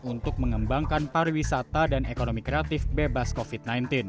untuk mengembangkan pariwisata dan ekonomi kreatif bebas covid sembilan belas